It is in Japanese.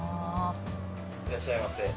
いらっしゃいませ。